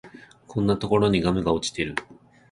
こんなところにガムが落ちてる